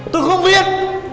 tôi không biết